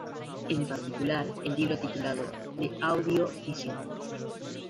En particular, el libro titulado "L'audio-visión.